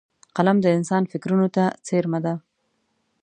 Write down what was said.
قلم د انسان فکرونو ته څېرمه دی